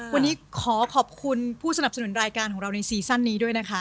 วันนี้ขอขอบคุณผู้สนับสนุนรายการของเราในซีซั่นนี้ด้วยนะคะ